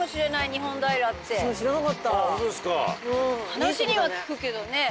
話には聞くけどね。